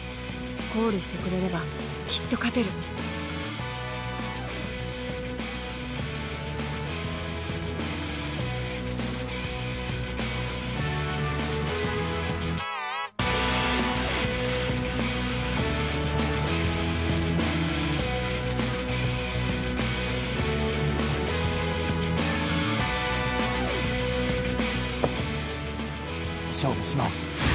コールしてくれればきっと勝てる勝負します。